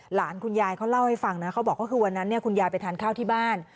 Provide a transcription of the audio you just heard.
หลานคุณยายเขาเล่าให้ฟังนะเขาบอกว่าคือวันนั้นคุณยายไปทานข้าวที่บ้าน